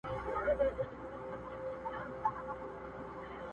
o رضا ئې که، ملا ئې ور ماته که!